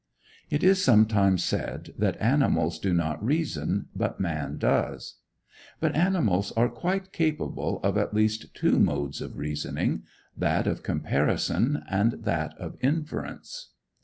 It is sometimes said that animals do not reason, but man does. But animals are quite capable of at least two modes of reasoning, that of comparison and that of inference.